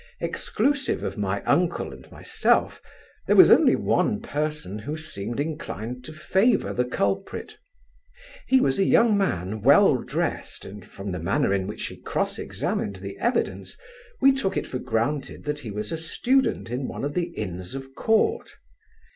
Exclusive of my uncle and myself, there was only one person who seemed inclined to favour the culprit. He was a young man, well dressed, and, from the manner in which he cross examined the evidence, we took it for granted, that he was a student in one of the inns of court.